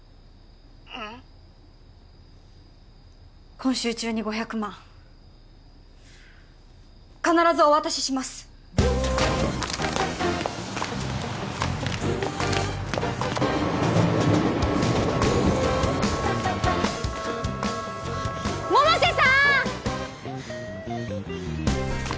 今週中に５００万必ずお渡しします百瀬さーん！